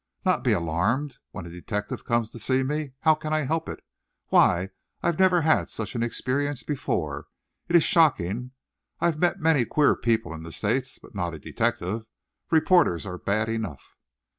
"Not be alarmed! when a detective comes to see me! How can I help it? Why, I've never had such an experience before. It is shocking! I've met many queer people in the States, but not a detective! Reporters are bad enough!"